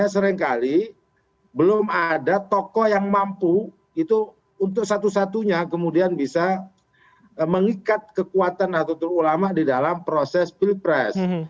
karena seringkali belum ada tokoh yang mampu itu untuk satu satunya kemudian bisa mengikat kekuatan nahdlatul ulama di dalam proses pilpres